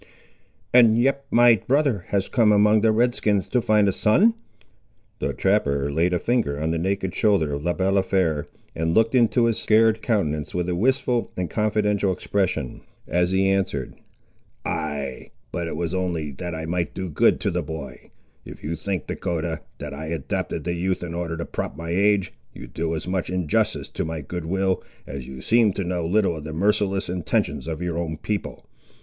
"And yet my brother has come among the Red skins to find a son?" The trapper laid a finger on the naked shoulder of Le Balafré, and looked into his scarred countenance with a wistful and confidential expression, as he answered— "Ay; but it was only that I might do good to the boy. If you think, Dahcotah, that I adopted the youth in order to prop my age, you do as much injustice to my goodwill, as you seem to know little of the merciless intentions of your own people.